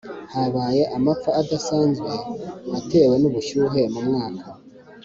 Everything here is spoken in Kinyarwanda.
habaye amapfa adasanzwe atewe n’ubushyuhe mu mwaka